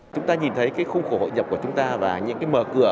chúng ta nhìn thấy cái khung khổ hội nhập của chúng ta và những cái mở cửa